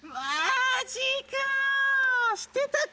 してたか。